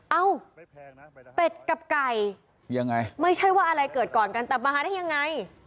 เอ้าเป็ดกับไก่ยังไงไม่ใช่ว่าอะไรเกิดก่อนกันแต่มาหาได้ยังไง